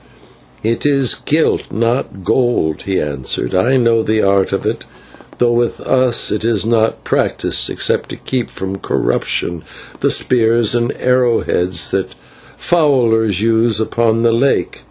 "'It is gilt, not gold,' he answered, 'I know the art of it, though with us it is not practised, except to keep from corruption the spears and arrowheads that fowlers use upon the lake.'